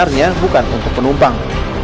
sebenarnya bukan untuk penumpang